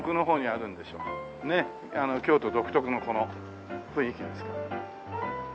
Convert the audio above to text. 京都独特のこの雰囲気ですから。